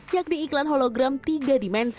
yakni iklan hologram tiga dimensi